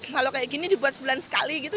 kalau kayak gini dibuat sebulan sekali gitu